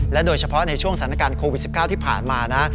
โดยเฉพาะในช่วงสถานการณ์โควิด๑๙ที่ผ่านมานะ